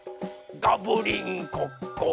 「ガブリンコッコ！」